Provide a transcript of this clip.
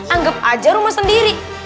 anggap aja rumah sendiri